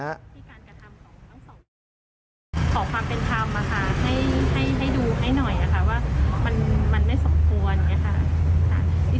มันไม่สมควร